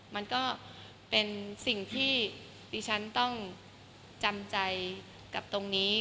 มันก็เป็นสิ่งที่ดิฉันต้องจำใจกับตรงนี้